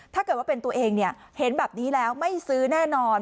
ถ้าเกิดว่าเป็นตัวเองเห็นแบบนี้แล้วไม่ซื้อแน่นอน